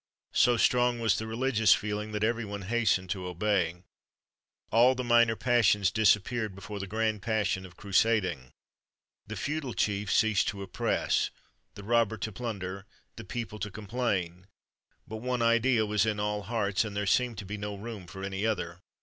So strong was the religious feeling, that every one hastened to obey. All minor passions disappeared before the grand passion of crusading. The feudal chief ceased to oppress, the robber to plunder, the people to complain; but one idea was in all hearts, and there seemed to be no room for any other.